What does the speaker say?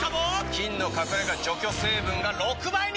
菌の隠れ家除去成分が６倍に！